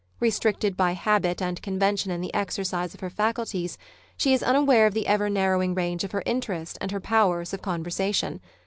Restricted by habit and convention in the exercise of her faculties, she is un aware of the ever narrowing range of her interest and her powers of conversation.